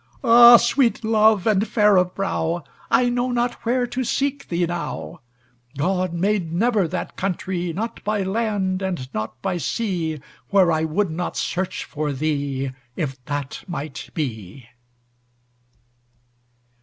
"Ah sweet love, and fair of brow, I know not where to seek thee now, God made never that countrie, Not by land, and not by sea, Where I would not search for thee, If that might be!"